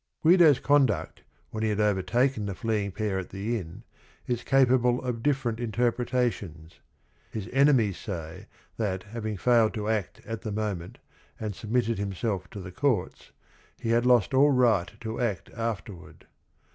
Guido's conduct when he had overtaken the fleeing pair at the inn is capable of different in terpretations. His enemies say that having failed to act at the moment and submitted himself to the courts, he had lost all right to act afterward.